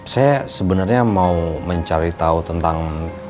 saya sebenarnya mau mencari tahu tentang